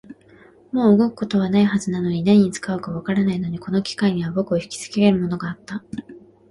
もう動くことはないはずなのに、何に使うかもわからないのに、この機械には僕をひきつけるものがあった